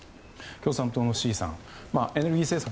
共産党の志位さんエネルギー政策